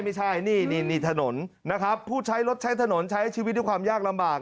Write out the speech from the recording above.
ไม่ใช่นี่นี่ถนนนะครับผู้ใช้รถใช้ถนนใช้ชีวิตด้วยความยากลำบาก